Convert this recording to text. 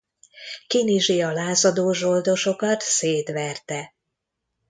Kinizsi a lázadó zsoldosokat szétverte.